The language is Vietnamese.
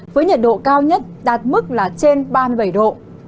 với nhiệt độ cao nhất đạt mức là trên ba mươi bảy độ